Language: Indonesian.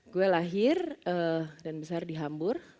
gue lahir dan besar di hambur